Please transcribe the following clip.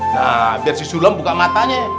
nah biar si sulam buka matanya